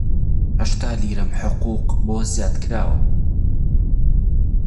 هەشتا لیرەم حقووق بۆ زیاد کراوە